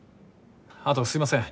あとすいません